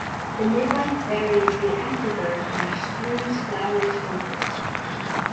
The midwife buries the afterbirth and strews flowers over it.